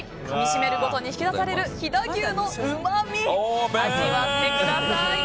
かみしめるごとに引き出される飛騨牛のうまみ味わってください！